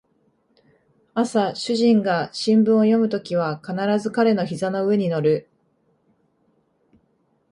朝主人が新聞を読むときは必ず彼の膝の上に乗る